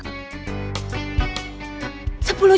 ya allah alhamdulillah